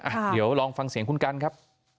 อ่ะเดี๋ยวลองฟังเสียงคุณกันครับ